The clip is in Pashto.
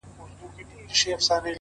ستا د هيندارو په لاسونو کي به ځان ووينم;